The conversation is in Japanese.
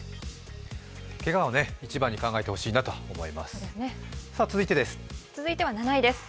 けがを一番に考えてほしいなと思います続いてです。